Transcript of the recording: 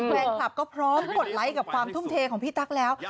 แฟนคลับก็พร้อมกดไลค์กับความทุ่มเทของพี่ตั๊กแล้ว